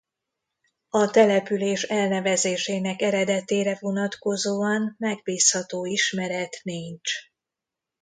A település elnevezésének eredetére vonatkozóan megbízható ismeret nincs.